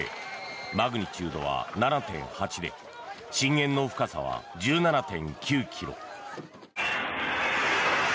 マグニチュードは７．８で震源の深さは１７．９ｋｍ。